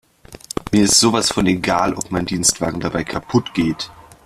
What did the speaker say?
Mir ist sowas von egal, ob mein Dienstwagen dabei kaputt geht!